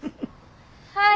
はい。